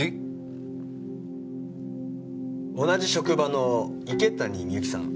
同じ職場の池谷美由紀さん